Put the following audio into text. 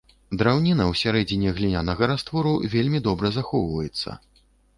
Драўніна ўсярэдзіне глінянага раствору вельмі добра захоўваецца.